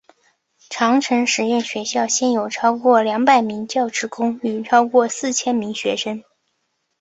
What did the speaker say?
长城实验学校现有超过两百名教职工与超过四千名学生。